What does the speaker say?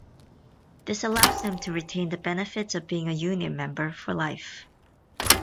This allows them to retain the benefits of being a union member for life.